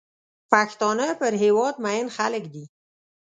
پښتانه پر هېواد مین خلک دي.